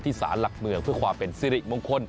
สารหลักเมืองเพื่อความเป็นสิริมงคล